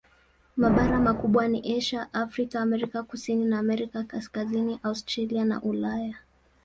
Mabara makubwa ni Asia, Afrika, Amerika Kusini na Amerika Kaskazini, Australia na Ulaya.